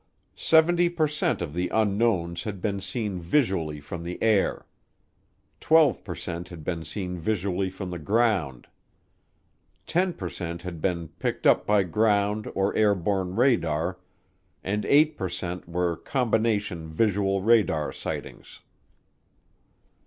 Seventy per cent of the "Unknowns" had been seen visually from the air; 12 per cent had been seen visually from the ground; 10 per cent had been picked up by ground or airborne radar; and 8 per cent were combination visual radar sightings.